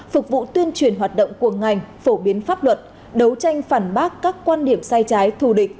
phục vụ tuyên truyền hoạt động của ngành phổ biến pháp luật đấu tranh phản bác các quan điểm sai trái thù địch